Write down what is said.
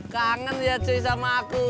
kangen dia cuy sama aku